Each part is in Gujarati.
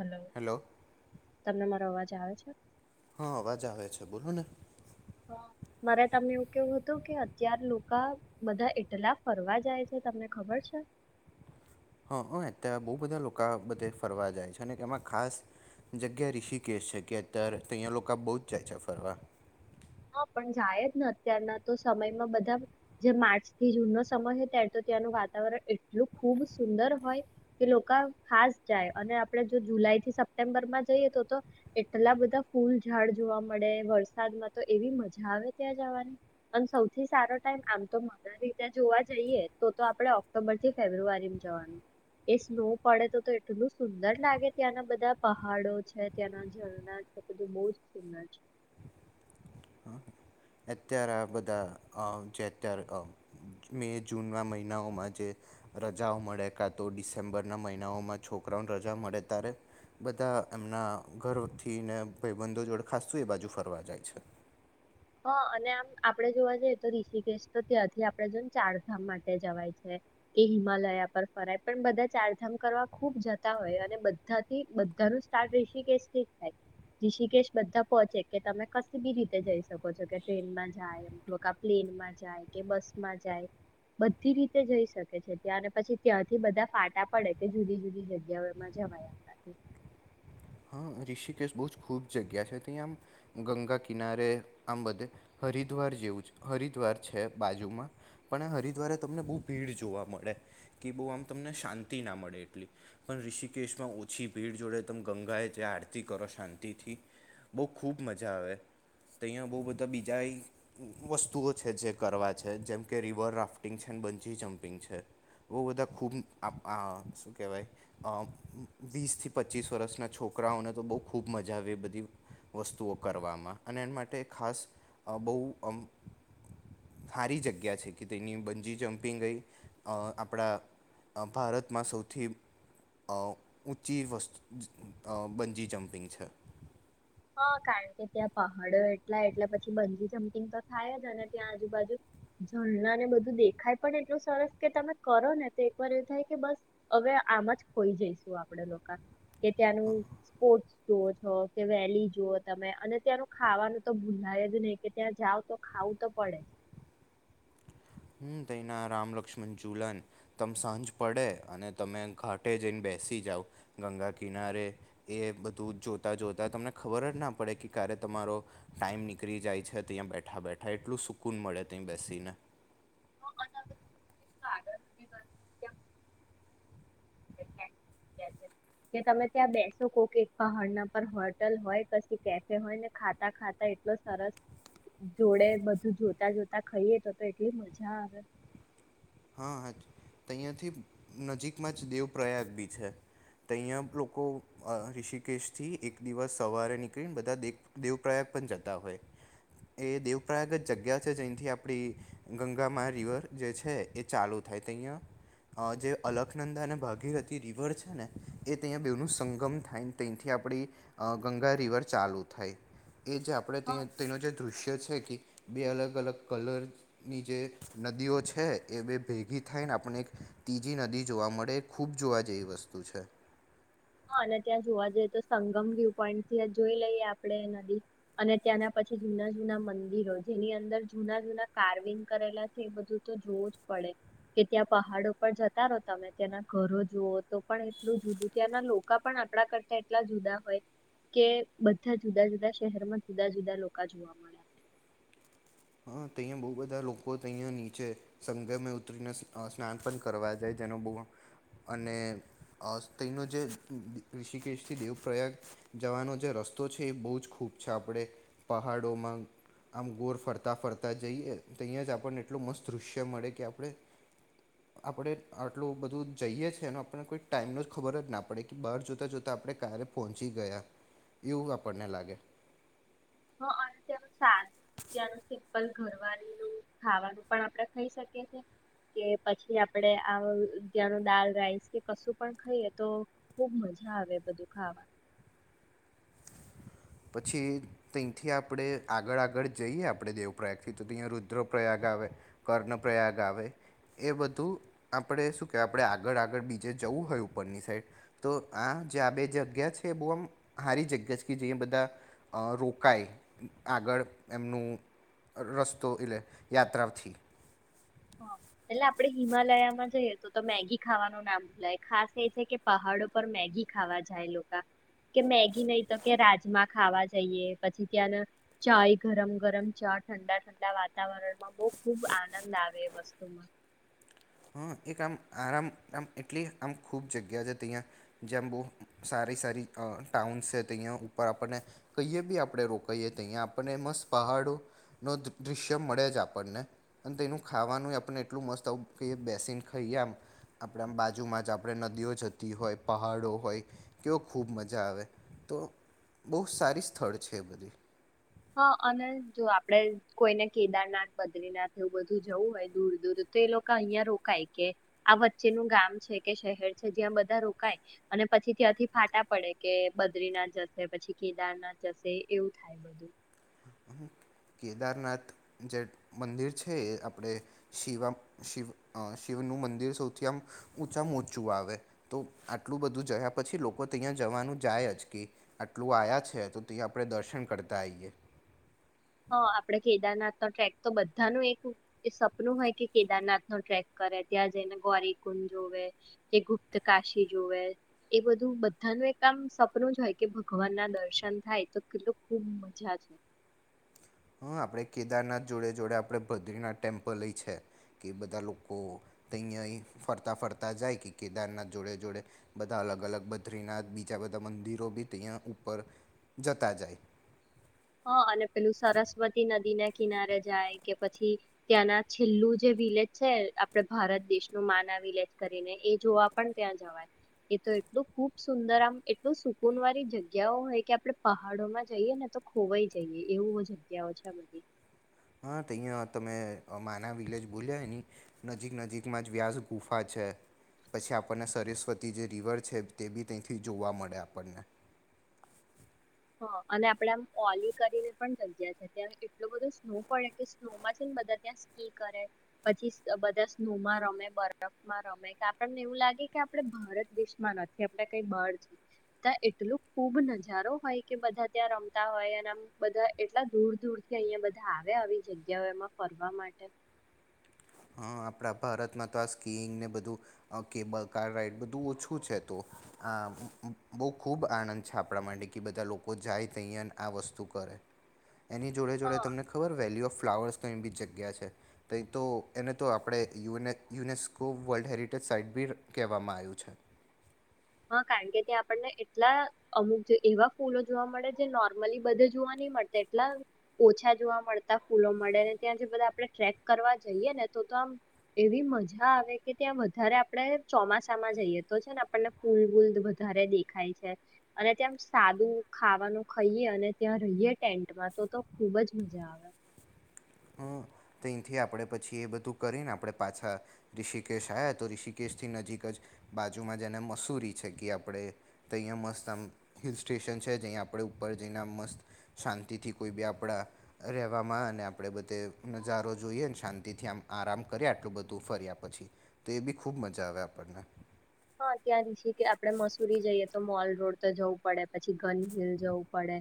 હલો હેલો તમને મારો અવાજ. જ આવે છે. [unintelligible] હા અવાજ આવે છે બોલો ને. મારે તમને એવું કેવું હતું કે અત્યાર લોકા બધા એટલા ફરવા જાય છે તમને ખબર છે. હં હ અત્યારે બહુ બધા લોકો બધે ફરવા જાય છે, અને કે એમાં ખાસ જગ્યા ઋષિકેશ છે, કે અત્યારે અહીંયા લોકો બહુ જ જાય છે ફરવા. હા પણ જાય જ ને અત્યારના તો સમયમાં બધા જે માર્ચ થી જૂન નો સમય છે, ત્યારે તો ત્યાંનું વાતાવરણ એટલું ખૂબ સુંદર હોય કે લોકો ખાસ જાય અને આપણે જો જુલાઈ થી સપ્ટેમ્બર માં જઈએ તો તો એટલા બધા ફૂલઝાડ જોવા મળે વરસાદમાં. તો એવી મજા આવે ત્યાં જવાની અને સૌથી સારો ટાઈમ આમ તો મગ રીતે જોવા જઈએ તો તો આપડે ઓક્ટોબર થી ફેબ્રુઆરીમાં જવાનું એ સ્નો પડે તો તો એટલું સુંદર લાગે ત્યાંના બધા પહાડો છે, ત્યાંના ઝરણા છે, બધું બહ જ સુંદર છે. હા અત્યારે આ બધા જે અત્યારે મે જૂનના મહિનાઓમાં જે રજાઓ મળે કાં તો ડિસેમ્બરના મહિનાઓમાં છોકરાઓને રજા મળે ત્યારે બધા એમના [unintelligible] ને ભાઈબંધો જોડે ખાસતું એ બાજુ ફરવા જાય છે. હા અને આમ આપડે જોવા જઈએ તો ઋષિકેશ તો ત્યાંથી આપડણે જોને ચારધામ માટે જવાય છે, કે હિમાલયા પર ફરાય પણ બધા ચારધામ કરવા ખુબ જતા હોય અને બધાથી બધા ન સ્ટાર ઋષિકેશ થી થાય ઋષિકેશ બધા પોહોંચે કે તમે કશ બી રીતે જઈ શ. શકો છો કે ટ્રેનમાં જાય એમક આ પ્લેનમાં જાય કે બસ માં જાય બધી રીતે જઈ શકે છે, ત્યાં અને પછી ત્યાંથી બધા ફાટા પડે કે જુદી જુદી જગ્યાઓમાં જવાયાથી. હા ઋષિકેશ બહુ જ ખૂબ જગ્યા છે, ત્યાં આમ ગંગા કિનારે આમ બધે હરિદ્વાર જેવું છે, હરિદ્વાર છે, બાજુમાં પણ એ હરિદ્વારે તમને બહુ ભીડ જોવા મળે કે બહુ આમ તમને શાંતિ ના મળે એટલી પણ ઋષિકેશમાં ઓછી ભીડ જોડે તમ ગંગાએ. જે આરતી કરો શાંતિથી બહુ ખૂબ મજા આવે તો અહીંયા બહુ બધા બીજા એ વસ્તુઓ છે જે કરવા છે, જેમકે રિવર રાફ્ટિંગ છે, બંજી જમ્પિંગ છે, બહુ બધા ખૂબ શું કહેવાય [unintelligible] વીસથી પચીસ વર્ષના છોકરા. છોકરાઓને તો બહુ ખૂબ મજા આવે એ બધી વસ્તુઓ કરવામાં અને એના માટે ખાસ બહુ સારી જગ્યા છે, કે તેની બંજી જમ્પિંગ એ આપણા ભારતમાં સૌથી ઊંચી [unintelligible] બન્જી જમપિંગ છે. હા કારણ કે ત્યાં પહાડો એટલા એટલે પછી બજી જમ્પિંગ તો થાય જ અને ત્યાં આજુબાજુ જલણાને બધું દેખાય પણ એટલું સરસ કે તમે કરો ને તો એક વાર એ થાય કે બસ હવે આમ જ ખોઈ જઈશું આપડ લોકો કે ત્યાંનું સ્પોર્ટ શો [unintelligible] કે. લી જુઓ તમે અને ત્યાંનું ખાવાનું તો ભૂલાય જ નહી કે ત્યાં જાવ તો ખાવું તો પડે જ. હમ [unintelligible] રામ લક્ષ્મણ જઝુલન તમ સાંજ પડે અને તમે ઘાટે જઈને બેસી જાઓ ગંગા કિનારે એ બધું જોતાં જોતાં તમને ખબર જ ના પડે કે ક્યારે તમારો ટાઈમ નીકળી જાય છે, [unintelligible] બેઠા બેઠા એટલું સુકૂન મળે ત્યાં બેસીને. હા, અને હવે [inaudible] [unintelligible] તમે ત્યાં બેસો કો કે એક પહાડના પર હોટલ હોય પછી કેફે હોય ને ખાતા ખાતા એટલો સરસ જોડે બધું જોતા જોતા ખાઈએ તો તો એટલી મજા આવે. હા હા અહીંયાથી નજીકમાં જ દેવપ્રયાગ બી છે, તો અહીંયા લોકો ઋષિકેશથી એક દિવસ સવારે નીકળીને બધા દે દેવપ્રયાગ પણ જતા હોય એ દેવપ્રયાગ જ જગ્યા છે જહીંથી આપણી ગંગામા રિવર જે છે. એ ચાલુ થાય ત અહીંયા જે અલખનંદા અને ભાગીરથ રિવર છે, ને એ ત્યાંયા બેનું સંગમ થાયને [unintelligible] આપણી ગંગા રિવર ચાલુ થાય. એ જે આપડે હા [unintelligible] તેનું જે. દૃશ્ય છે કે બે અલગ અલગ કલરની જે નદીઓ છે. એ બે ભેગી થઈને આપણે એક ત્રીજી નદી જોવા મળે ખૂબ જોવા જેવી વસ્તુ છે. હા અને ત્યાં જોવા જઈએ તો સંગમ વ્યુ પોઈન્ટ થી જોઈ લઈએ આપણે નદી અને ત્યાંના પછી જુના જૂના મંદિરો જેની અંદર જૂના જૂના કાર્વિંગ કરેલા છે બધું તો જોવું જ પડે કે ત્યાં પહાડો પર જતા રહો તમે ત્યાંના ઘરો જુઓ તો પણ એટલું જુદું ત્યાં ના લોકા પણ આપણા કરતા એટલા જુદા હોય કે બધા જુદા જુદા શહેરમાં જુદા જુદા લોકા જોવા મળ્યા. હા તો અહીંયા બહુ બધા લોકો અહીંયા નીચે સંગમે ઉતરીને સ્નાન પણ કરવા જાય તેનો બહુ અને તેનો જે ઋષિકેશથી દેવ પ્ર્રયાગ જવાનો જે રસ્તો છે એ બહુ જ ખૂબ છે આપણે પહાડોમાં આમ ગોળ ફરતા ફરતા ફરતા જઈએ તહીંયા જ આપણને એટલું મસ્ત દૃશ્ય મળે કે આપણે આપણે આટલું બધું જઈએ છીએ અને આપણને કોઈ ટાઈમનો જ ખબર જ ના પડે કે બહાર જોતા જોતા આપણે ક્યારે પહોંચી ગયા એવું આપણને લાગે. હ અને તે્યાનું સ્વાદ ત્યાંનું સિમ્પલ ઘરવાળીનું ખાવાનું પણ આપણે ખાઈ શકીએ છે કે પછી આપણે આ ત્યાંનું દાલ રાઈસ કે કશું પણ ખાઈએ તો ખુબ મજા આવે બધું ખાવાનું. પછી તહીંથી આપણે આગળ આગળ જઈએ આપણે દેવપ્રયાગથી તો તહીંયા રુદ્રપ્રયાગ આવે કર્ણ પ્ર્રયાગ આવે એ બધું આપણે શું કહેવાય આપણે આગળ આગળ બીજે જવું હોય ઉપરની સાઈડ તો આ જે આ બે જગ્યા છે એ બહુ આમ સારી જગ્યા છે કે જયા બધી બધા રોકાય આગળ એમનું રસ્તો એલે યાત્રાથી. એટલે આપડે હિમાલયામાં જઈએ તો તો મેગી ખાવાનું ના ભૂલાય ખાસ એ છે કે પહાડો પર મેગી ખાવા જાય લોકા કે મેગી નહી તો કે રાજમા ખાવા જઈએ પછી ત્યાં ચાય ગરમ ગરમ ચા ઠંડા ઠંડા વાતાવરણમાં બો ખુબ આનંદ આવે. વસ્તુમાં હા એક આમ આરામ આમ એટલી આમ ખૂબ જગ્યા છે તહીંયા જ્યાંમ બહુ સારી સારી ટાઉન્સ છે તહીંયા ઉપર આપણને કહીએ બી આપણે રોકાઈએ તહીંયા આપણને મસ્ત પહાડોનો દૃશ્ય મળે જ આપણને અને તેનું ખાવાનું આપણને એટલું મસ્ત આવું કે બેસીને ખઈએ આમ આપણા બાજુમાં જ આપણે નદીઓ જતી હોય પહાડો હોય કેવ ખૂબ મજા આવે તો બહુ સારી સ્થળ છે એ. હા અને જો આપડે કોઈને કેદારનાથ બદ્રીનાથ એવું બધું જવું હોય દૂર દૂર તો એ લોકા અહિયાં રોકાય કે આ વચ્ચેનું ગામ છે કે શહેર છે જ્યાં બધા રોકાય અને પછી ત્યાંથી ફાટા પડે કે બદ્રીનાથ જશે પછી કેદારનાથ જશે એવું થાય બધું. કેદારનાથ જે મંદિર છે એ આપણે શિવા શિવ અહ શિવનું મંદિર સૌથી આમ ઊંચામાં ઊંચું આવે તો આટલું બધું જયા પછી લોકો ત્યાં જવાનું જાય જ કે આટલું આયા છે તો ત્યાં આપણે દર્શન કરતા આઈએ. તો આપડે કેદારનાથ નો ટ્રેક તો બધાનું એક એ સપનું હોય કે કેદારનાથ નો ટ્રેક કરે, ત્યાં જઈને ગોરીકુંડ જોવે, કે ગુપ્ત કાશી જોવે એ બધું બધાનું એક આમ સપનું જ હોય કે ભગવાન ના દર્શન થાય તો કેટલું ખુબ મજા છે. હા આપણે કેદારનાથ જોડે જોડે આપણે બદ્રીનાથ ટેમ્પલએય છે કે બધા લોકો તહીં અહીં ફરતા ફરતા જાય કે કેદારનાથ જોડે જોડે બધા અલગ અલગ બદ્રીનાથ બીજા બધા મંદિરો બી તહીંયા ઉપર જતા જાય. હા અને પેલું સરસ્વતી નદી ના કિનારે જાય કે પછી ત્યાંના છેલ્લું જે વિલેજ છે આપડે ભારત દેશનું માના વિલેજ કરીને એ જોવા પણ ત્યાં જવાય, એ તો એટલું ખૂબ સુંદર આમ એટલું સુકૂન વાળી જગ્યાઓ હોય કે આપડે પહાડોમાં જઈએ ને તો ખોવાઈ જઈએ એવું એવું જગ્યાઓ છે બધી. હા તો અહીંયા તમે માના વિલેજ બોલ્યા એની નજીક નજીકમાં જ વ્યાસ ગુફા છે, પછી આપણને સરસ્વતી જે રિવર છે તે બી ત્યેથી જ જોવા મળે આપણને. હા અને આપડે આમ ઓલી કરીને પણ જગ્યા છે ત્યાં એટલું બધું સ્નો પડે કે સ્નોમાં છેને બધા ત્યાં સ્કી કરે, પછી સ બધા સ્નોમાં રમે, બરફમાં રમે, કે આપણને એવું લાગે કે આપણે ભારત દેશમાં નથી આપણે કઈ બાર છી, ત્યાં એટલો ખુબ નજારો હોય કે બધા ત્યાં રમતા હોય અને આમ બધા એટલા દૂર દૂર થી અહિયાં બધા આવે આવી જગ્યાઓ એમાં ફરવા માટે. હા આપણા ભારતમાં તો કાસ્કિંઈંગને બધું કેબલ કાર રાઈડ બધું ઓછું છે તો આ બહુ ખૂબ આનંદ છે આપણા માટે કે બધા લોકો જાય તહીંયા ને આ વસ્તુ કરે. એની જોડે જોડે હા તમને ખબર વેલ્યુ ઓફ ફ્લાવર્સ નો એમ બી જ જગ્યા છે તેંય તો એને તો આપણે યુનેક યુનેસ્કો વર્લ્ડ હેરિટેજ સાઈટ બી કહેવામાં આયું છે. હા કારણ કે ત્યાં આપણને એટલા અમુક જે એવા ફૂલો જોવા મળે જે નોર્મલી બધે જોવા નહીં મળતે, એટલા ઓછા જોવા મળતા ફૂલો મળે, ને ત્યાં જે બધા આપણે ટ્રેક કરવા જઈએ ને તો તો આમ એવી મજા આવે કે ત્યાં વધારે આપણે ચોમાસામાં જઈએ તો છે ને આપણને ફૂલવૂલ વધારે દેખાય છે અને ત્યાં સાદું ખાવાનું ખઈએ અને ત્યાં રહીએ ટેન્ટમાં તો તો ખુબ જ મજા આવે. હં અહીંથી આપણે પછી એ બધું કરીને આપણે પાછા રિષિકેશ આવ્યા તો રિષિકેશથી નજીક જ બાજુમાં જેને મસૂરી છે કે આપણે તહીંયા મસ્ત આમ હિલ સ્ટેશન છે જ્યાં આપણે ઉપર જઈને આ મસ્ત શાંતિથી કોઈ બી આપણા રહેવામાં અને આપણે બધે નજારો જોઈએ ને શાંતિથી આમ આરામ કર્યા આટલું બધું ફર્યા પછી તો એ બી ખૂબ મજા આવે આપણને. હા ત્યાં છી કે આપડે મસુરી જઈએ તો મોલ રોડ તો જવું પડે પછી. કન હિલ જવું પડે.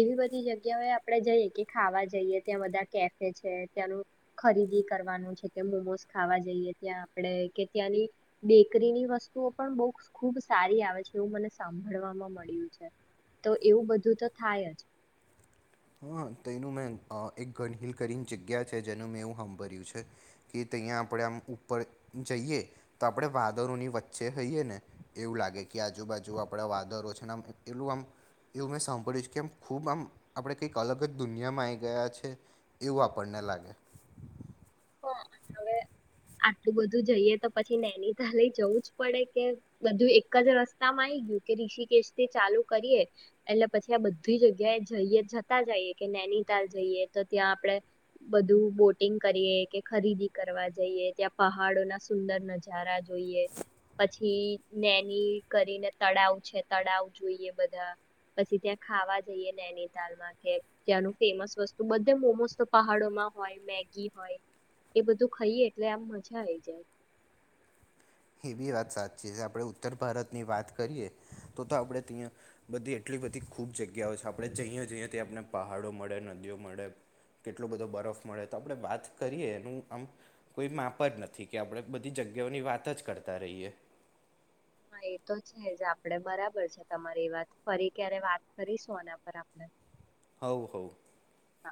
એવી બધી જગ્યાઓએ આપણે જઈએ કે ખાવા જઈએ ત્યાં બધા કેફે છે, ત્યાંનું ખરીદી કરવાનું છે કે, મોમોસ ખાવા જઈએ ત્યાં આપણે કે ત્યાંની બેકરીની વસ્તુ ઓ પણ બુક ખુબ સારી આવે છે એવું મને સાંભળવામાં મળ્યું છે, તો એવું બધું તો થાય જ. હા તે એનું મેં અહ એક ઘનહિલ કરીની જગ્યા છે જેનું મેં એવું સાંભળ્યું છે કે તહીંયા આપણે આમ ઉપર જઈએ તો આપણે વાદળોની વચ્ચે હઈએ ને એવું લાગે કે આજુબાજુ આપણાં વાદરો છે ને આમ એટલું આમ એવું મેં સાંભળ્યું છે કે આમ ખૂબ આમ આપણે કંઈક અલગ જ દુનિયામાં આવી ગયા છે એવું આપણને લાગે. હા હવે આટલું બધું જઈએ તો પછી નૈનીતાલ જવું જ પડે કે બધું એક જ રસ્તા માં આઈ ગયું કે રિષિકેશ થી ચાલુ કરીએ એટલે પછી આ બધી જગ્યા એ જઈએ જતા જઈએ કે નૈનીતાલ જઈએ તો ત્યાં આપણેે બધું બોટિંગ કરીએ. કે ખરીદી કરવા જઈએ ત્યાં પહાડો ના સુંદર નજારા જોઈએ. પછી નૈની કરીને તળાવ છે, તળાવ જોઈએ બધા. પછી ત્યાં ખાવા જઈએ નૈનીતાલમાં કે ત્યાંનું ફેમસ વસ્તુ બધે મોમોસ તો પહાડોમાં હોય, મેગી હોય. એ બધું ખાઈએ એટલે આમ મજા આવી જાય. એ બી વાત સાચી છે. આપણે ઉત્તર ભારતની વાત કરીએ તો તો આપણે ત્યાં બધી એટલી બધી ખૂબ જગ્યાઓ છે આપણે જઈએ જઈએ ત્યાં આપને પહાડો મળે, નદીઓ મળે, કેટલો બધો બરફ મળે તો આપણે વાત કરીએ એનું આમ કોઈ માપ જ નથી કે આપણે બધી જગ્યાઓની વાત જ કરતા રહીએ. હા એ તો છે જ આપણેે બરાબર છે તમારી વાત ફરી ક્યારે વાત કરીશું આના પર આપણે. હઉં-હઉં. હા.